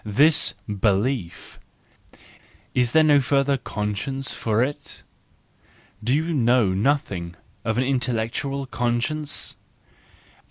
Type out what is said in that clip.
This belief— is there no further conscience for it? Do you know nothing of an intellectual conscience?